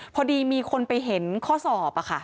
พอดีมีคนไปเห็นข้อสอบ